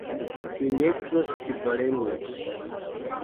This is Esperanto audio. Mi ne tro scivolemis.